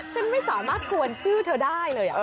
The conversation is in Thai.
ฉันไม่สามารถทวนชื่อเธอได้เลย